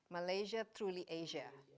malaysia truly asia